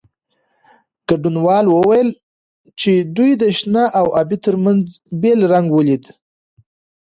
ګډونوالو وویل چې دوی د شنه او ابي ترمنځ بېل رنګ ولید.